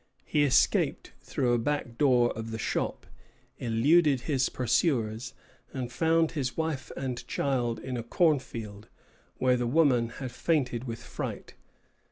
He escaped through a back door of the shop, eluded his pursuers, and found his wife and child in a cornfield, where the woman had fainted with fright.